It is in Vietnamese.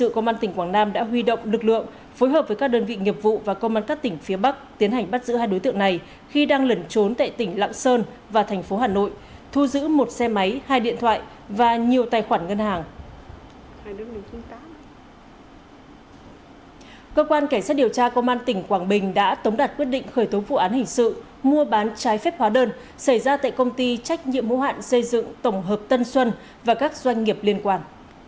cơ quan cảnh sát điều tra công an tỉnh quảng bình đã tống đặt quyết định khởi tố vụ án hình sự mua bán trái phép hóa đơn xảy ra tại công ty trách nhiệm hữu hạn xây dựng tổng hợp tân xuân và các doanh nghiệp liên quan